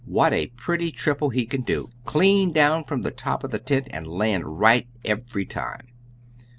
What a pretty triple he can do, clean down from the top of the tent, and land right every time!